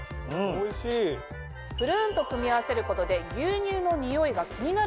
プルーンと組み合わせることで。